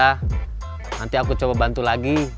nanti aku coba bantu lagi